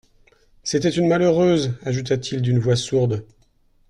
C'était une malheureuse ! ajouta-t-il d'une voix sourde.